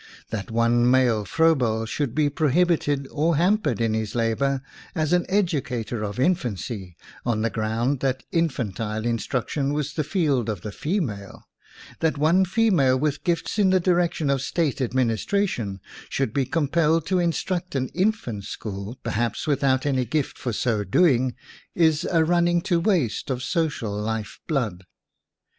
That one male Froebel should be prohibited or hampered in his labor as an educator of infancy, on the ground that infantile instruction was the field of the female; that one female with gifts in the direc tion of state administration, should be compelled to instruct an infants' school, perhaps without any gift for so doing, is a running to waste of social life blood.